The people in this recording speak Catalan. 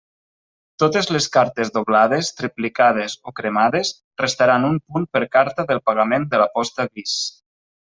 Totes les cartes doblades, triplicades o cremades restaran un punt per carta del pagament de l'aposta vis.